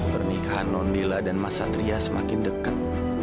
pernikahan non dila dan mas satria semakin dekat